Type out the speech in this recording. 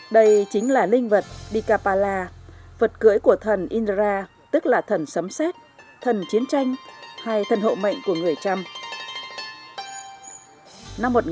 đây chính là linh vật dikapala vật cưỡi của thần inra tức là thần sấm xét thần chiến tranh hay thần hộ mạnh của người trăm